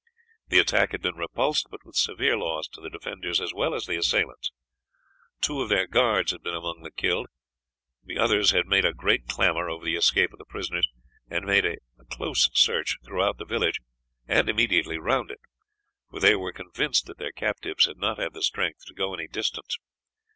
The attack had been repulsed, but with severe loss to the defenders as well as the assailants; two of their guards had been among the killed. The others had made a great clamor over the escape of the prisoners, and had made a close search throughout the village and immediately round it, for they were convinced that their captives had not had the strength to go any distance.